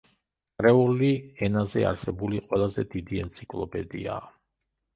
კრეოლი ენაზე არსებული ყველაზე დიდი ენციკლოპედიაა.